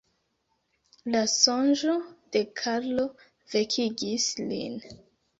La sonĝo de Karlo vekigis lin.